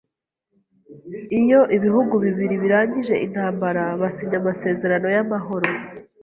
Iyo ibihugu bibiri birangije intambara, basinya amasezerano yamahoro.